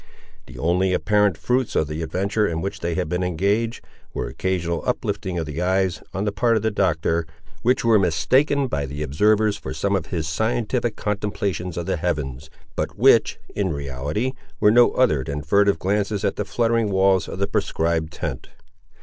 The only apparent fruits of the adventure in which they had been engaged, were occasional upliftings of the eyes, on the part of the Doctor, which were mistaken by the observers for some of his scientific contemplations of the heavens, but which, in reality, were no other than furtive glances at the fluttering walls of the proscribed tent.